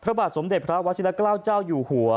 พระบาทสมเด็จพระวชิลเกล้าเจ้าอยู่หัว